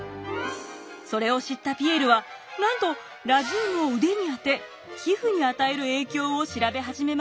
それを知ったピエールはなんとラジウムを腕に当て皮膚に与える影響を調べ始めました。